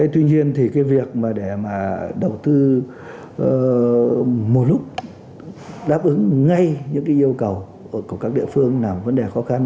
tuy nhiên thì việc để đầu tư một lúc đáp ứng ngay những yêu cầu của các địa phương là một vấn đề khó khăn